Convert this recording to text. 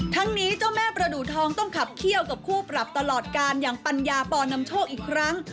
ทั้งนี้เจ้าแม่ประดูทองต้องขับเขี้ยวกับคู่ปรับตลอดการอย่างปัญญาปอนำโชคอีกครั้ง